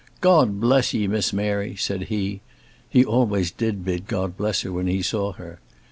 "God bless 'ee, Miss Mary," said he he always did bid God bless her when he saw her.